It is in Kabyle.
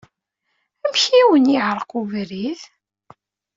Amek ay awen-yeɛreq ubrid?